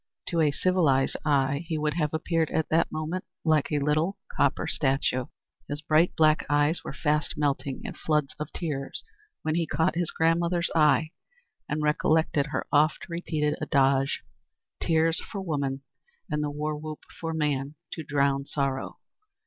To a civilized eye, he would have appeared at that moment like a little copper statue. His bright black eyes were fast melting in floods of tears, when he caught his grandmother's eye and recollected her oft repeated adage: "Tears for woman and the war whoop for man to drown sorrow!"